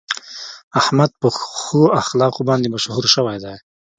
احمد په ښو اخلاقو باندې مشهور شوی دی.